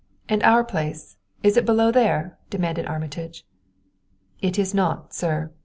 "And our place is it below there?" demanded Armitage. "It is not, sir.